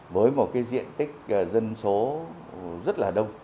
với một diện tích dân số rất đông